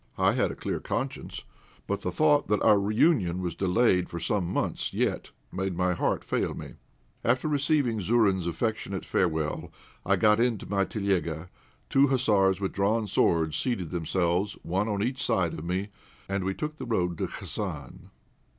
I had a clear conscience, but the thought that our reunion was delayed for some months yet made my heart fail me. After receiving Zourine's affectionate farewell I got into my "telega," two hussars, with drawn swords, seated themselves, one on each side of me, and we took the road to Khasan.